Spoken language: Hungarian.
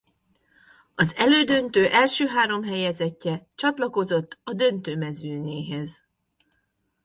A elődöntő első három helyezettje csatlakozott a döntő mezőnyéhez.